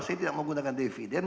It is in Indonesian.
saya tidak menggunakan dividen